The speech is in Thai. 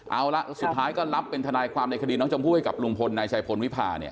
เอาล่ะสุดท้ายก็เป็นทนายความใดเกดีน้องจมพู่ให้กับลุงพลในไชพลวิภาเนี่ย